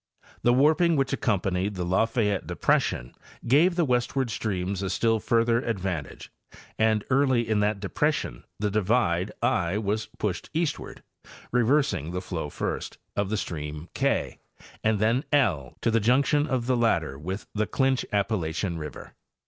The warping which accompanied the Lafayette depression gave the westward streams a still further advantage, and early in that depression the divide i was pushed eastward, reversing the flow, first, of the stream K, and then Z to the junction of the latter with the Clinch Appa lachian river.